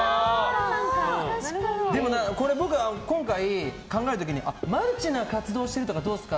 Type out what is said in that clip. でもこれ僕、今回考えた時にマルチな活動をしてるとかどうですか？